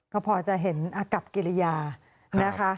ก็พอจะเห็นอากับกิริยานะคะ